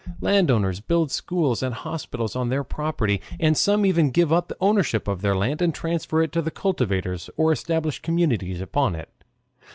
Landowners build schools and hospitals on their property, and some even give up the ownership of their land and transfer it to the cultivators, or establish communities upon it.